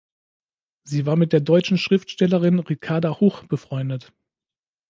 Sie war mit der deutschen Schriftstellerin Ricarda Huch befreundet.